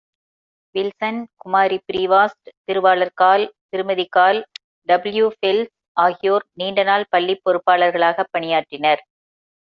Wilson, குமாரி ப்ரிவாஸ்ட், திருவாளர் கார்ல், திருமதி கார்ல், டபிள்யூ ஃபெல்ஸ் ஆகியோர், நீண்ட நாள் பள்ளிப்பொறுப்பாளர்களாகப் பணியாற்றினர்.